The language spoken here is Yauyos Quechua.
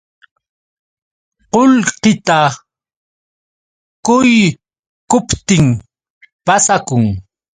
Qullqita quykuptin pasakun.